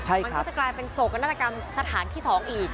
มันก็จะกลายเป็นโศกนาฏกรรมสถานที่๒อีก